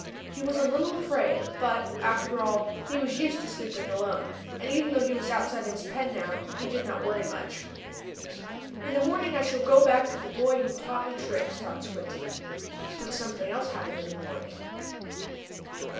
He was a little afraid, but, after all, he was used to sleeping alone, and, even though he was outside of his pen now, he did not worry much. "In the morning I shall go back to the boy who taught me tricks," thought Squinty. But something else happened in the morning.